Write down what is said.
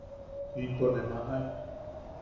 Into ne majaen.